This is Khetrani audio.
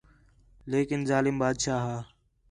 لیکن ظالم بادشاہ ہا